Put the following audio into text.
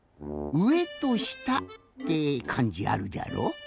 「上」と「下」ってかんじあるじゃろ。